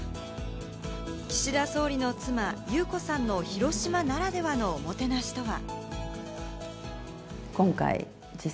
岸田総理の妻・裕子さんの広島ならではのおもてなしとは。